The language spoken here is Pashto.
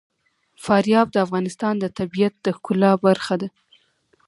فاریاب د افغانستان د طبیعت د ښکلا برخه ده.